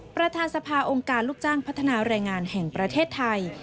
ประธานสภาองค์การลูกจ้างพัฒนาแรงงานแห่งประเทศไทย